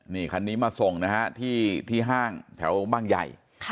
นี่คันนี้มาส่งนะฮะที่ห้างแถวบางใหญ่